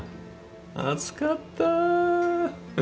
暑かった。